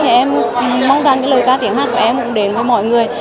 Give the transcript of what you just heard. thì em mong rằng cái lời ca tiếng hát của em cũng đến với mọi người